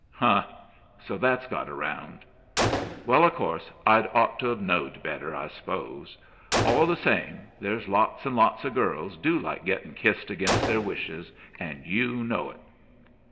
"Huh! So that's got around. Well, o' course I'd ought t've knowed better, I suppose. All the same, there's lots and lots of girls do like gettin' kissed against their wishes and you know it."